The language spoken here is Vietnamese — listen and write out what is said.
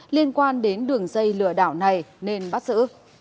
liên quan đến đường dây lừa đảo này nên bắt giữ